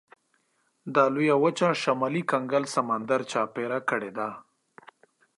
دا لویه وچه شمالي کنګل سمندر چاپېره کړې ده.